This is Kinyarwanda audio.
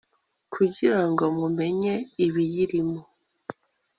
kugira ngo mumenye ibiyirimo